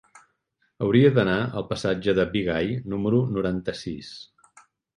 Hauria d'anar al passatge de Bigai número noranta-sis.